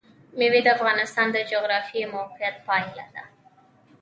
مېوې د افغانستان د جغرافیایي موقیعت پایله ده.